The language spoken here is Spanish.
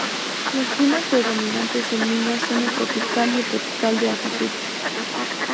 Los climas predominantes en Minas son el tropical y el tropical de altitud.